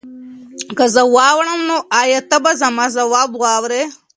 که زه واوړم نو ایا ته به زما ځواب واورې؟